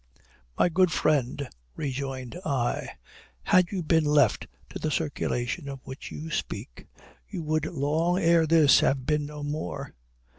"My good friend," rejoined I, "had you been left to the circulation of which you speak, you would long ere this have been no more.